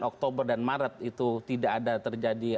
oktober dan maret itu tidak ada terjadi